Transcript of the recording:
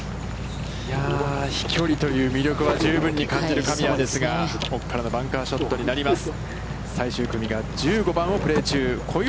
飛距離という魅力は、十分に感じる神谷ですが、ここからのバンカーショットになります。